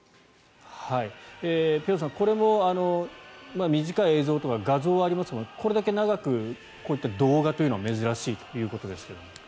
辺さん、これも短い映像というか画像はありますがこれだけ長くこういった動画は珍しいということですが。